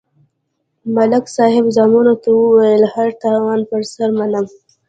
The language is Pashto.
ملک صاحب زامنو ته ویل: هر تاوان پر سر منم.